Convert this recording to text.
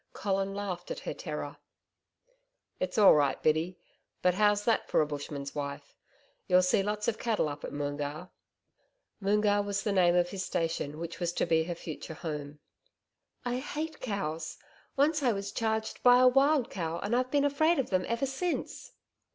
Colin laughed at her terror. 'It's all right, Biddy. But how's that for a Bushman's wife. You'll see lots of cattle up at Moongarr.' Moongarr was the name off his station which was to be her future home. 'I hate cows. Once I was charged by a wild cow and I've been afraid of them ever since.'